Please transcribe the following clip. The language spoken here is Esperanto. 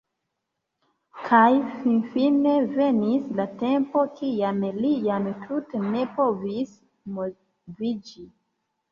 Kaj finfine venis la tempo, kiam li jam tute ne povis moviĝi.